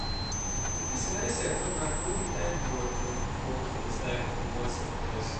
De visserijsector maakt moeilijke tijden door ten gevolge van de stijging van de brandstofprijs.